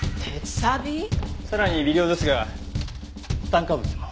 さらに微量ですが炭化物も。